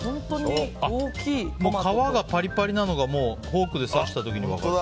皮がパリパリなのがもうフォークで刺した時に分かる。